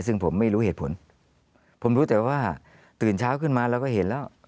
ซึ่งผมไม่รู้เหตุผลผมรู้แต่ว่าตื่นเช้าขึ้นมาเราก็เห็นแล้ว